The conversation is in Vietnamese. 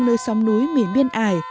nơi sông núi mỉa biên ải